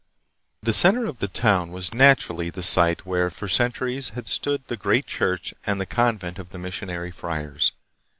The center of the town was naturally the site where for centuries had stood the great church and the convent of the missionary friars.